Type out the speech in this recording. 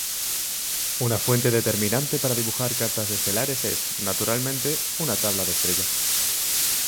Una fuente determinante para dibujar cartas estelares es, naturalmente, una tabla de estrellas.